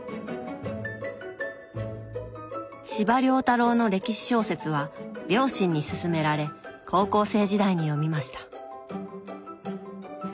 司馬遼太郎の歴史小説は両親にすすめられ高校生時代に読みました。